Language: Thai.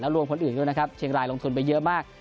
รวมคนอื่นด้วยนะครับเชียงรายลงทุนไปเยอะมาก